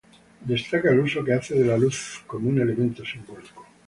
Destaca el uso que hace de la luz como un elemento simbólico.